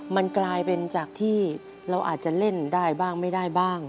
มันกลายเป็นจากที่เราอาจจะเล่นได้บ้างไม่ได้บ้าง